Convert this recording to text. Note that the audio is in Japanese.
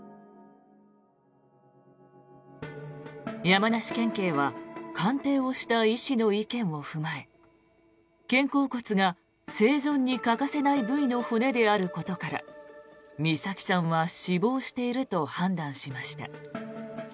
山梨県警は鑑定をした医師の意見を踏まえ肩甲骨が生存に欠かせない部位の骨であることから美咲さんは死亡していると判断しました。